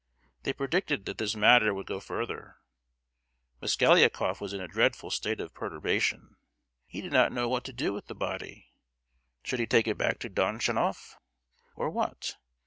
They predicted that this matter would go further. Mosgliakoff was in a dreadful state of perturbation: he did not know what to do with the body. Should he take it back to Donchanof! or what?